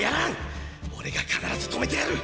俺が必ず止めてやる！